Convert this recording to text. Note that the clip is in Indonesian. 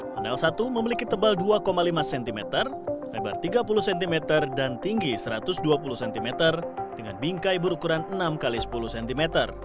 panel satu memiliki tebal dua lima cm lebar tiga puluh cm dan tinggi satu ratus dua puluh cm dengan bingkai berukuran enam x sepuluh cm